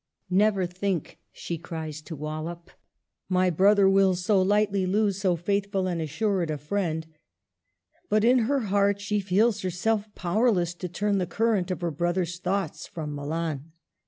" Never think," she cries to Wallup, " my brother will so lightly lose so faithful and assured a friend !" But in her heart she feels herself powerless to turn the current of her brother's thoughts from Milan.